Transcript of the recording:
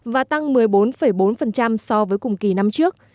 và tăng một mươi bốn bốn so với cùng kỳ năm trước